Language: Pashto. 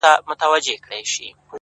• ور په برخه زغري توري او ولجې وې ,